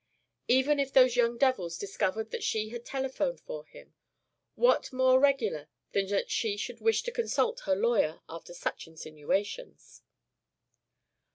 Even if those young devils discovered that she had telephoned for him, what more regular than that she should wish to consult her lawyer after such insinuations?